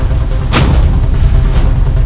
sesekali dengar suaranya